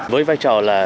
với vai trò là